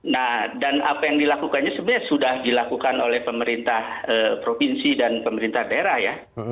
nah dan apa yang dilakukannya sebenarnya sudah dilakukan oleh pemerintah provinsi dan pemerintah daerah ya